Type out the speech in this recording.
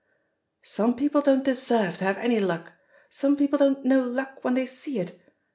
"Some people don*t deserve to have any luck ^— some people don't know luck when they see it!